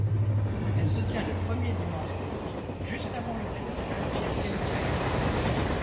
Elle se tient le premier dimanche d'aout, juste avant le festival Fierté Montréal.